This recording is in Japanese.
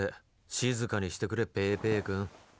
静かにしてくれペーペーくん。